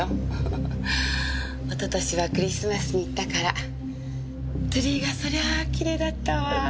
おととしはクリスマスに行ったからツリーがそりゃあキレイだったわ！